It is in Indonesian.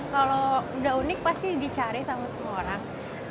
kalau udah unik pasti dicari sama semua orang